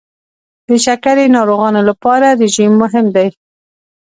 د شکرې ناروغانو لپاره رژیم مهم دی.